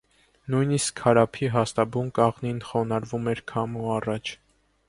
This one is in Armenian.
Նույնիսկ քարափի հաստաբուն կաղնին խոնարհվում էր քամու առաջ: